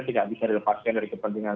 tidak bisa dilepaskan dari kepentingan